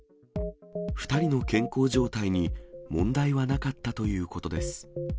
２人の健康状態に問題はなかったということです。